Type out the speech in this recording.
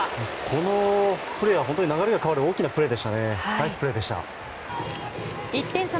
このプレーは本当に流れが変わる大きなプレーでしたね。